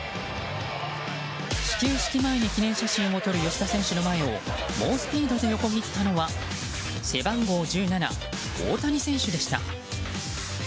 始球式前に記念写真を撮る吉田選手の前を猛スピードで横切ったのは背番号１７、大谷選手でした。